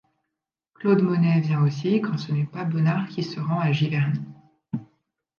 Claude Monet vient aussi, quand ce n'est pas Bonnard qui se rend à Giverny.